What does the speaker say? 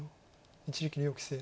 一力遼棋聖